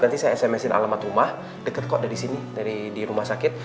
nanti saya sms in alamat rumah deket kok dari sini dari rumah sakit